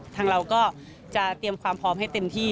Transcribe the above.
ทางเราก็จะเตรียมความพร้อมให้เต็มที่